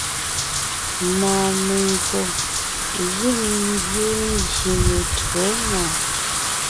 Mɔɔn megÿò giŋ ngẅiin ngyè ye tÿǒ na.